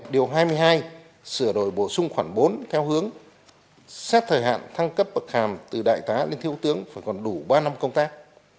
điều hai mươi hai sửa đổi bổ sung khoảng bốn theo hướng xét thời hạn thăng cấp bậc hàm từ đại tá lên thiếu tướng phải còn đủ ba năm công tác